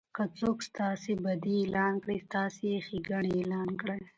که څوک ستاسي بدي اعلان کړي؛ تاسي ئې ښېګړني اعلان کړئ!